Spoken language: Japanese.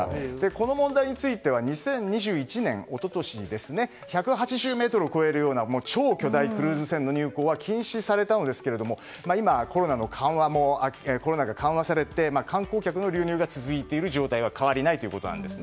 この問題については、２０２１年一昨年、１８０ｍを超えるような超巨大クルーズ船の入港は禁止されたんですけど今、コロナが緩和されて観光客の流入が続いている状態は変わりないということです。